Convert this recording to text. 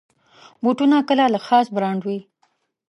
بوټونه کله له خاص برانډ وي.